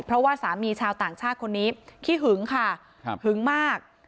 เพราะว่าสามีชาวต่างชาติคนนี้ขี้หึงค่ะหึงมาก